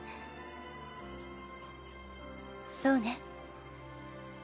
そうね。